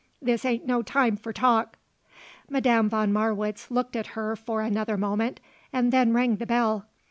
"This ain't no time for talk." Madame von Marwitz looked at her for another moment and then rang the bell.